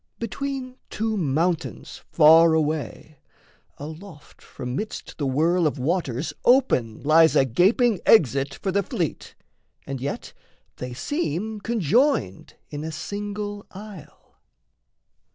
Between two mountains far away aloft From midst the whirl of waters open lies A gaping exit for the fleet, and yet They seem conjoined in a single isle.